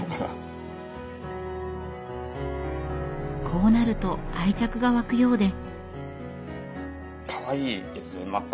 こうなると愛着が湧くようで。